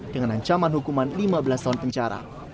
dengan ancaman hukuman lima belas tahun penjara